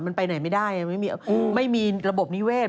มันไปไหนไม่ได้ไม่มีระบบนิเวศ